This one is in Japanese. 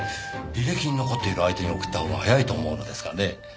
履歴に残っている相手に送ったほうが早いと思うのですがね。